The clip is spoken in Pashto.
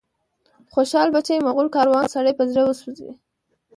خوشال بچي، مغول کاروان، سړی په زړه وسوځي